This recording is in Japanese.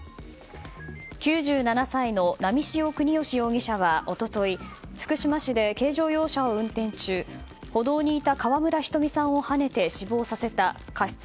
９７歳の波汐國芳容疑者は一昨日福島市で軽乗用車を運転中歩道にいた川村ひとみさんをはねて死亡させた過失